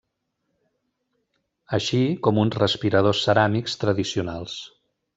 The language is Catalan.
Així com uns respiradors ceràmics tradicionals.